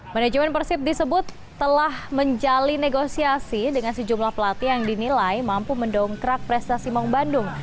manajemen persib disebut telah menjalin negosiasi dengan sejumlah pelatih yang dinilai mampu mendongkrak prestasi maung bandung